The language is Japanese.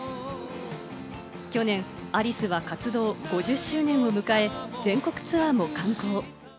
去年、アリスは活動５０周年を迎え、全国ツアーも敢行。